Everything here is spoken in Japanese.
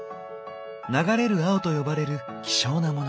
「流れる青」と呼ばれる希少なモノ。